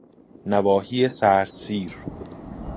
نواحی سردسیر